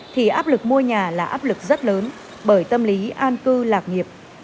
thì áp lực mua nhà là áp lực rất lớn bởi tâm lý an cư lạc nghiệp